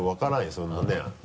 そんなね。